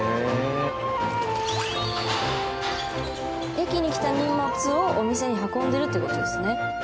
駅に来た荷物をお店に運んでるっていう事ですね。